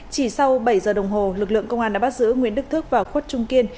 chỉ sau bảy giờ đồng hồ lực lượng công an đã bắt giữ nguyễn đức và khuất trung kiên